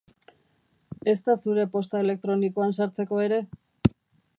Ezta zure posta elektronikoan sartzeko ere?